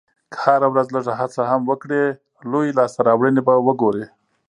که هره ورځ لږه هڅه هم وکړې، لویې لاسته راوړنې به وګورې.